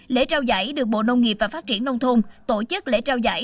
lễ trao giải được bộ nông nghiệp và phát triển nông thôn tổ chức lễ trao giải